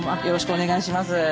よろしくお願いします。